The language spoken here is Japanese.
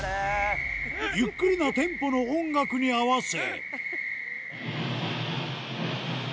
ゆっくりなテンポの音楽に合わせ。